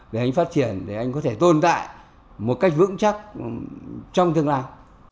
để anh phát triển để anh có thể tồn tại một cách vững chắc trong tương lai